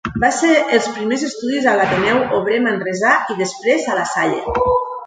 Va fer els primers estudis a l'Ateneu Obrer Manresà i després a La Salle.